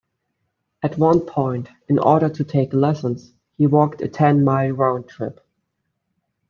At one point, in order to take lessons, he walked a ten-mile round trip.